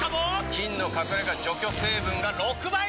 菌の隠れ家除去成分が６倍に！